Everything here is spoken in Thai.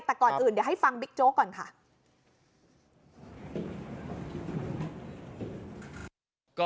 แต่ก่อนอื่นเดี๋ยวให้ฟังบิ๊กโจ๊กก่อนค่ะ